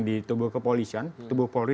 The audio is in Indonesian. di tubuh kepolisian tubuh polri